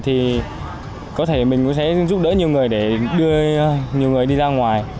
thì có thể mình cũng sẽ giúp đỡ nhiều người để đưa nhiều người đi ra ngoài